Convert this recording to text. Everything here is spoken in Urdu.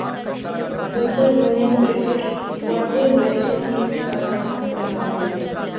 دوسرا women cricket one day West Indies نےپاکستان کوہرادیا